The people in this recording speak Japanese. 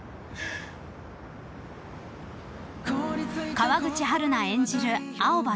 ［川口春奈演じる青羽紬］